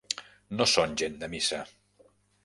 No són gent de missa.